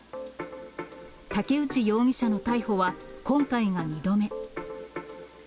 武内容疑者の逮捕は、今回が２度目。